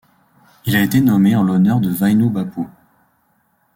Il a été nommé en l'honneur de Vainu Bappu.